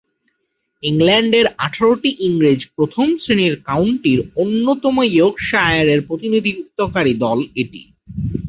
ইংল্যান্ডের আঠারোটি ইংরেজ প্রথম-শ্রেণীর কাউন্টির অন্যতম ইয়র্কশায়ারের প্রতিনিধিত্বকারী দল এটি।